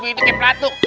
begitu kayak pelatu